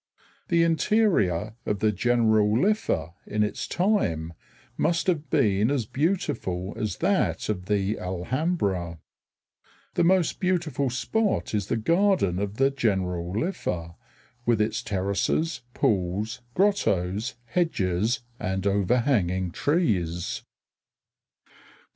The interior of the Generalife in its time must have been as beautiful as that of the Alhambra. The most beautiful spot is the garden of the Generalife, with its terraces, pools, grottoes, hedges, and overhanging trees.